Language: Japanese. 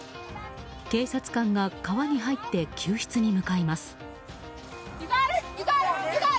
警察官が川に入って救出に向かいます。